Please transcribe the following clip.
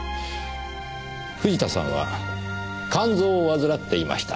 藤田さんは肝臓を患っていました。